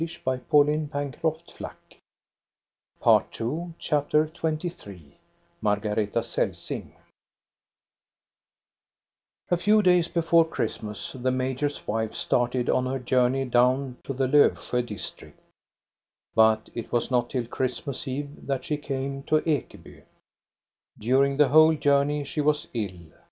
4S6 THE STORY OF COSTA BERUNC^ CHAPTER XXIII MARGARETA CELSING A FEW days before Christmas the major's wife started on her journey down to the Lofsjo district; but it was not till Christmas Eve that she came to Ekeby. During the whole journey she was ill.